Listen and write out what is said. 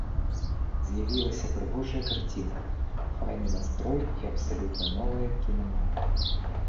З'явілася прыгожая карцінка, файны настрой і абсалютна новая кінамова.